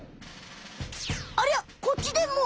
ありゃこっちでも！